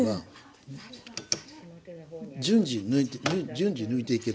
順次抜いていけると。